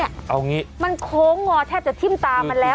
เอางี้มันโค้งงอแทบจะทิ้มตามันแล้ว